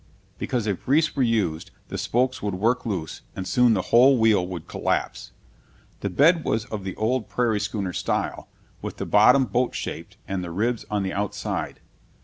Because if grease were used, the spokes would work loose, and soon the whole wheel would collapse. The bed was of the old prairie schooner style, with the bottom boat shaped and the ribs on the outside.